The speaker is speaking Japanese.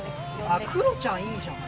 あくろちゃんいいじゃん